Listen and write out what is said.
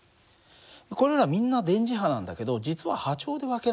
これらみんな電磁波なんだけど実は波長で分けられてるんだね。